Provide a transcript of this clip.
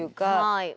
はい。